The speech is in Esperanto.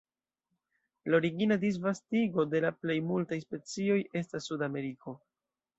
La origina disvastigo de la plej multaj specioj estas Sudameriko.